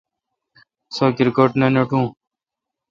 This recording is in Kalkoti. سو کرکٹ نہ ناٹو۔